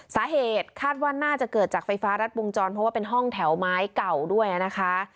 สาเหตุคาดว่าน่าจะเกิดจากไฟฟ้ารัดวงจรเพราะว่าเป็นห้องแถวไม้เก่าด้วยนะคะ